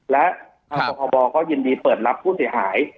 และทางสพบก็ยินดีเปิดรับผู้เสียหาย